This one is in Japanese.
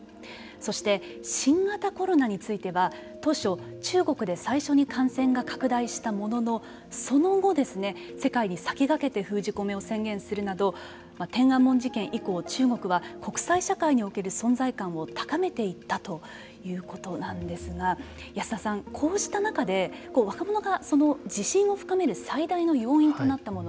そして新型コロナについては当初、中国で最初に感染が拡大したもののその後世界に先駆けて封じ込めを宣言するなど天安門事件以降中国は国際社会における存在感を高めていったということなんですが安田さん、こうした中で若者が自信を深める最大の要因となったもの